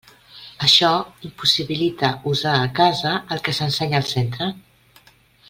Això impossibilita usar a casa el que s'ensenya al centre.